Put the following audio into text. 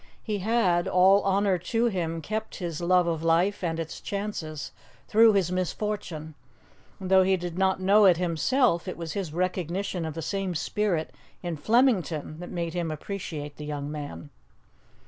He had all honour to him kept his love of life and its chances through his misfortune; and though he did not know it himself, it was his recognition of the same spirit in Flemington that made him appreciate the young man.